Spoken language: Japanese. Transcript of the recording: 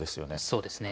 そうですね。